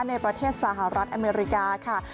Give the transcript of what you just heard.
ในประเทศสหรัฐอเมริกาค่ะ